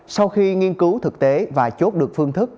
sau khi nghiên cứu thực tế và chốt được phương thức